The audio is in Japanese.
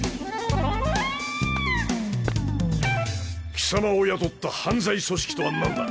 貴様を雇った犯罪組織とは何だ？